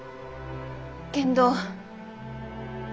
けんど。